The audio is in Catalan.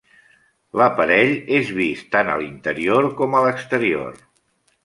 L'aparell és vist tant a l'interior com a l'exterior.